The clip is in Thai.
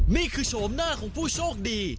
โฉมหน้าของผู้โชคดี